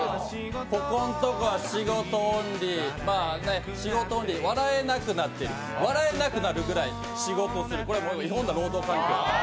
ここのところは仕事オンリー、笑えなくなっている、笑えなくなるぐらい仕事する、これは違法な労働環境。